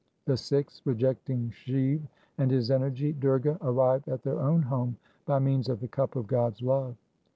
The Sikhs rejecting Shiv and his energy Durga arrive at their own home by means of the cup of God's love.